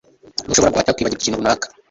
Ntushobora guhatira kwibagirwa ikintu runaka.